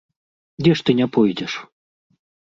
Дзе ж ты не пойдзеш!